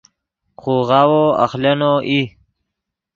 خوغاوو اخلینو ای